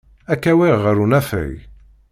Ad k-awiɣ ɣer unafag.